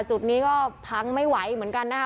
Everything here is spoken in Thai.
จุดนี้ก็พังไม่ไหวเหมือนกันนะคะ